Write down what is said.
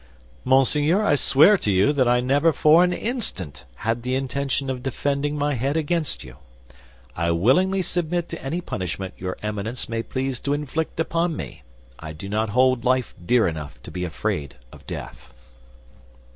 "Monseigneur, I swear to you that I never for an instant had the intention of defending my head against you. I willingly submit to any punishment your Eminence may please to inflict upon me. I do not hold life dear enough to be afraid of death."